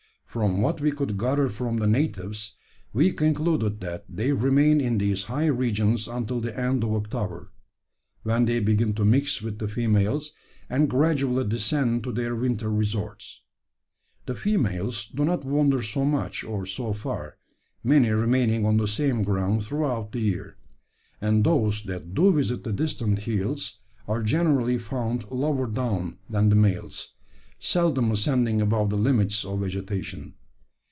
From what we could gather from the natives, we concluded that they remain in these high regions until the end of October; when they begin to mix with the females, and gradually descend to their winter resorts. The females do not wander so much or so far many remaining on the same ground throughout the year and those that do visit the distant hills are generally found lower down than the males, seldom ascending above the limits of vegetation.